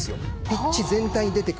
ピッチ全体に。